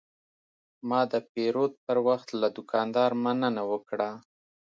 ما د پیرود پر وخت له دوکاندار مننه وکړه.